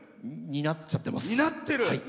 担っちゃってます。